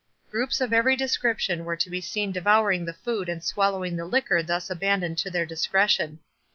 Groups of every description were to be seen devouring the food and swallowing the liquor thus abandoned to their discretion.